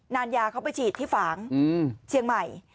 นานยาเขาไปฉีดที่ฝางเชียงใหม่